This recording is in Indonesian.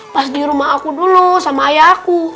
pas di rumah aku dulu sama ayah aku